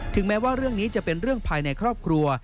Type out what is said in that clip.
แม้ว่าเรื่องนี้จะเป็นเรื่องภายในครอบครัว